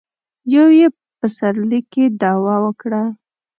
يو يې په پسرلي کې دعوه وکړه.